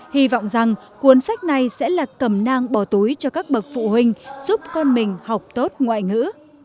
hy vọng rằng cuốn sách này sẽ là cầm nang bỏ túi cho các bậc phụ huynh giúp con mình học tốt ngoại ngữ